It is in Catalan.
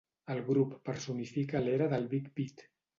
El grup personifica l'era del big beat.